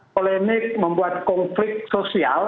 polemik membuat konflik sosial